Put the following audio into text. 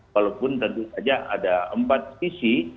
walaupun tentu saja ada empat visi